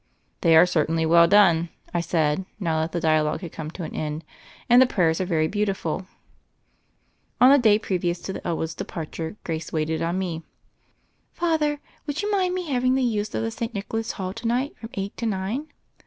"They are certainly well done," I said, now that the dialogue had come to an end, "and the prayers are very beautiful." On the day previous to the Elwood's depart ure Grace waited on me. "Father, would you mind my having the use of the St. Nicholas Hall to night from eight to nine?"